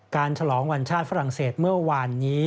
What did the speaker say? ฉลองวันชาติฝรั่งเศสเมื่อวานนี้